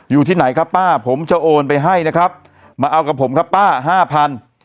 อยู่ที่ไหนครับป้าผมจะโอนไปให้นะครับมาเอากับผมครับป้าห้าพัน